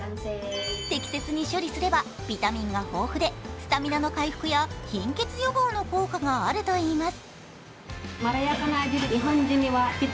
適切に処理すればビタミンが豊富でスタミナの回復や貧血予防の効果があるといいます。